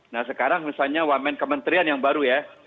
nah sekarang misalnya one man kementerian yang baru ya